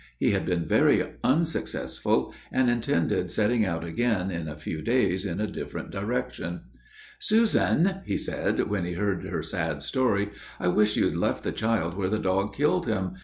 He had been very unsuccessful, and intended setting out again, in a few days, in a different direction. "Susan," he said, when he had heard her sad story, "I wish you'd left the child where the dog killed him.